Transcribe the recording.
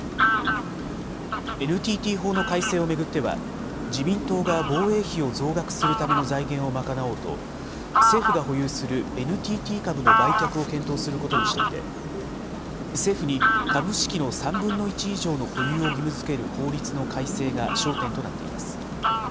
ＮＴＴ法の改正を巡っては、自民党が防衛費を増額するための財源を賄おうと、政府が保有するＮＴＴ株の売却を検討することにしていて、政府に株式の３分の１以上の保有を義務づける法律の改正が焦点となっています。